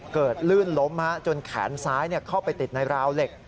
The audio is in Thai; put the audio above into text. ลื่นล้มจนแขนซ้ายเข้าไปติดในราวเหล็ก